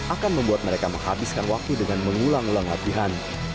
akan membuat mereka menghabiskan waktu dengan mengulang ulang latihan